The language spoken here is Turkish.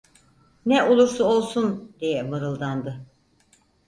"Ne olursa olsun…" diye mırıldandı.